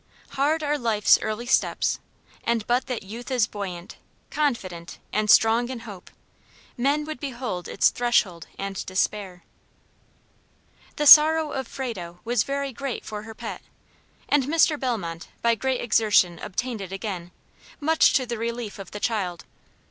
"Hard are life's early steps; and but that youth is buoyant, confident, and strong in hope, men would behold its threshold and despair." THE sorrow of Frado was very great for her pet, and Mr. Bellmont by great exertion obtained it again, much to the relief of the child.